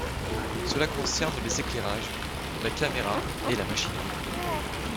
Cela concerne les éclairages, la caméra et la machinerie.